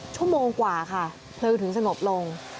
ชั่วโมงกว่าค่ะเพลิงถึงสงบลง